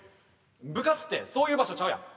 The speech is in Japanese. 部活ってそういう場所ちゃうやん。